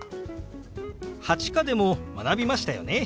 ８課でも学びましたよね。